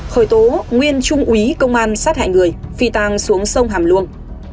khởi tố nguyên trung úy công an sát hại người phi tăng xuống sông hàm luông